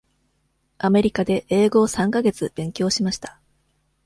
アメリカで英語を三か月勉強しました。